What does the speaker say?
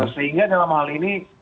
sehingga dalam hal ini